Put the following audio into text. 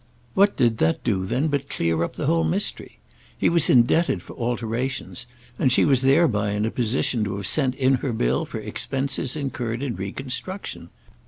What did that do then but clear up the whole mystery? He was indebted for alterations, and she was thereby in a position to have sent in her bill for expenses incurred in reconstruction.